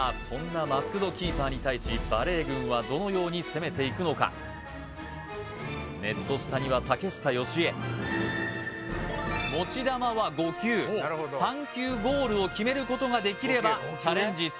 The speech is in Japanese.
そんなマスク・ド・キーパーに対しバレー軍はどのように攻めていくのかネット下には持ち球は５球３球ゴールを決めることができればチャレンジ